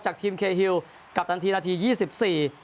ทีมเคฮิลกัปตันทีนาทียี่สิบสี่